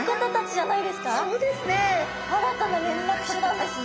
そうですね。